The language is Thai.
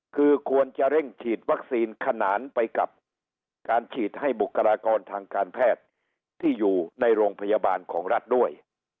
คือควรจะเร่งฉีดวัคซีนขนานไปกับการฉีดให้บุคลากรทางการแพทย์ที่อยู่ในโรงพยาบาลของรัฐด้วย